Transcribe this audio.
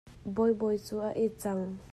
Bawibawi cu a it cang.